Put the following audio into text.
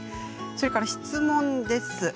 それから質問です。